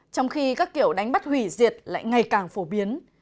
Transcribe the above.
trong khi các kiểu đánh bắt hủy diệt lại ngày càng phổ biến